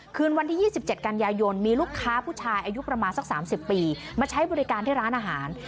คืนวันที่๒๗กันยายนมีลูกค้าผู้ชายอายุประมาณสัก๓๐ปีมาใช้บริการที่ร้านอาหาร